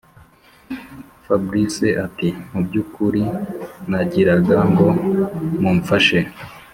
fabric ati”mubyukuri nagiraga ngo mumfashe